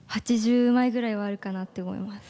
８０枚ぐらいはあるかなって思います。